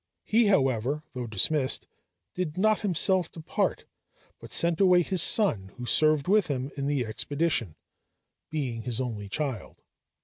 He however, though dismissed, did not himself depart but sent away his son who served with him in the expedition, being his only child.